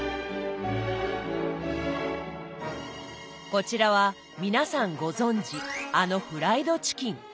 こちらは皆さんご存じあのフライドチキン。